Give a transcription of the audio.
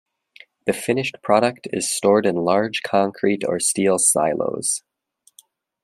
The finished product is stored in large concrete or steel silos.